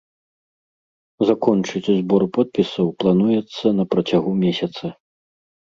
Закончыць збор подпісаў плануецца на працягу месяца.